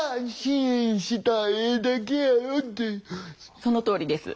そのとおりです。